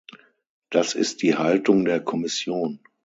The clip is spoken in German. Das ist die Haltung der Kommission.